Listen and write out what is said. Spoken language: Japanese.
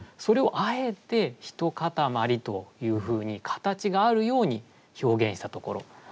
それをあえて「一かたまり」というふうに形があるように表現したところ。